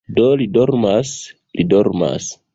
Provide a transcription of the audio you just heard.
Do li dormas, li dormas